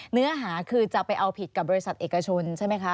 เนื้อหาคือจะไปเอาผิดกับบริษัทเอกชนใช่ไหมคะ